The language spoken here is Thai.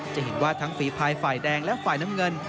จะเห็นว่าทั้งฝีภายฝ่ายแดงและฝ่ายน้ำเงิน